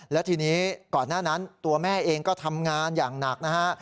และทีนี้ก่อนหน้านั้นตัวแม่เองก็ทำงานอย่างหนักนะฮะ